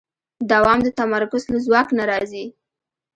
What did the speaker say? دوام د تمرکز له ځواک نه راځي.